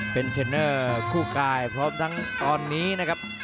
เป็นเทรนเนอร์คู่กายพร้อมทั้งตอนนี้นะครับ